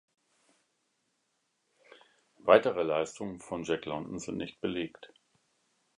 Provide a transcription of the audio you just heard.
Weitere Leistungen von Jack London sind nicht belegt.